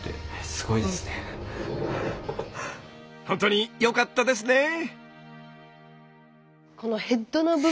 ほんとによかったですね。